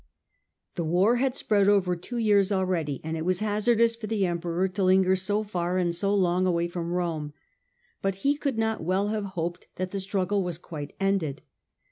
The war had spread over two years already, and it was hazardous for the emperor to linger so far and so long away from Rome. But he could not well have hoped that the struggle was quite ended.